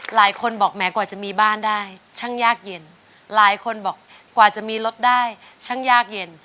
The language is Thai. หลายคนบอกแหมกว่าจะมีบ้านได้ช่างยากเย็นหลายคนบอกกว่าจะมีรถได้ช่างยากเย็น